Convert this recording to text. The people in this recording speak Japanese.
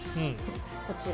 こちら。